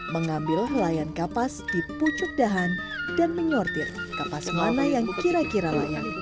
mengambil layan kapas di pucuk dahan dan menyortir kapas mana yang kira kira layak